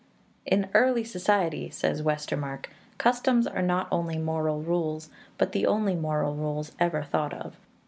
"In early society," says Westermarck, "customs are not only moral rules, but the only moral rules ever thought of.